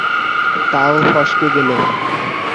তাও ফসকে গেল।